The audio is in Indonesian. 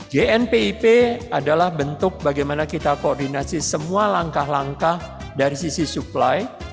gnpip adalah bentuk bagaimana kita koordinasi semua langkah langkah dari sisi supply